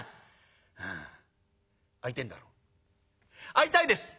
「会いたいです！」。